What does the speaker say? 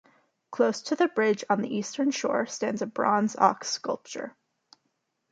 Close to the bridge on the eastern shore stands a bronze ox sculpture.